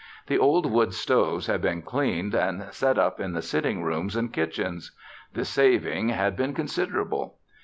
The old wood stoves had been cleaned and set up in the sitting rooms and kitchens. The saving had been considerable.